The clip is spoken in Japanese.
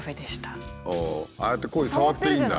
ああやってコイ触っていいんだ。